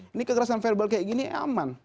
ini kekerasan verbal kayak gini aman